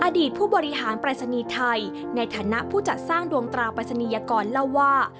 อดีตผู้บริหารปรายศนีย์ไทยในฐานะผู้จัดสร้างดวงตราปริศนียกรเล่าว่า